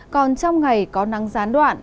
còn trong ngày có nắng gián đoạn